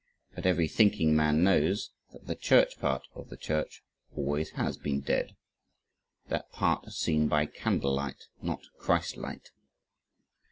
But every thinking man knows that the church part of the church always has been dead that part seen by candle light, not Christ light.